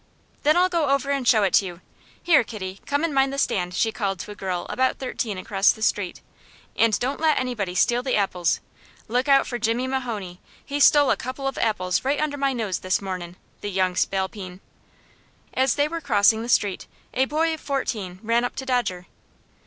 "Then I'll go over and show it to you. Here, Kitty, come and mind the stand," she called to a girl about thirteen across the street, "and don't let anybody steal the apples. Look out for Jimmy Mahone, he stole a couple of apples right under my nose this mornin', the young spalpeen!" As they were crossing the street, a boy of fourteen ran up to Dodger.